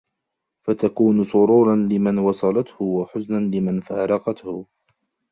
فَتَكُونُ سُرُورًا لِمَنْ وَصَلَتْهُ وَحُزْنًا لِمَنْ فَارَقَتْهُ